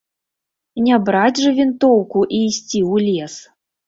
Не браць жа вінтоўку і ісці ў лес.